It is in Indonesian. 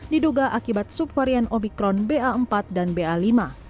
diduga akibat subvarian omikron ba empat dan ba lima